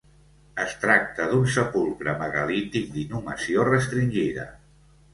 Es tracta d'un sepulcre megalític d'inhumació restringida.